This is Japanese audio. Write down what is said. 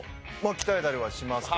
鍛えたりはしますけど。